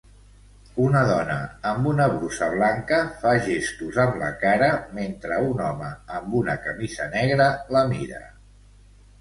Una dona amb una brusa blanca fa gestos amb la cara mentre un home amb una camisa negra la mira.